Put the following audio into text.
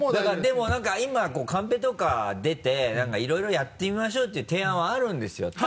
でも何か今カンペとか出て何かいろいろやってみましょうていう提案はあるんですよ。